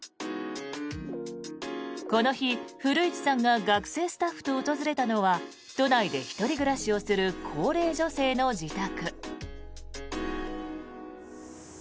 この日、古市さんが学生スタッフと訪れたのは都内で１人暮らしをする高齢女性の自宅。